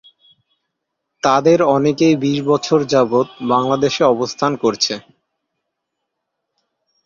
তাদের অনেকেই বিশ বছর যাবৎ বাংলাদেশে অবস্থান করছে।